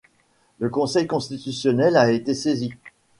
Le Conseil constitutionnel a été saisi.